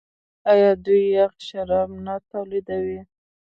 آیا دوی یخ شراب نه تولیدوي؟